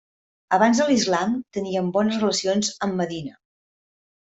Abans de l'islam tenien bones relacions amb Medina.